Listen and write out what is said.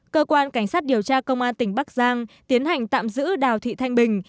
cơ quan cảnh sát điều tra công an tỉnh bắc giang tiến hành tạm giữ đào thị thanh bình